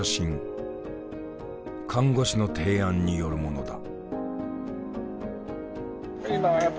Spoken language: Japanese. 看護師の提案によるものだ。